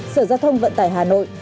sở giao thông vận tải hà nội